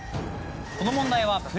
この問題は。